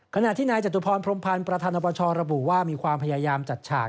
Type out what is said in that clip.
ขณะที่นายจตุพรพรมพันธ์ประธานอบชระบุว่ามีความพยายามจัดฉาก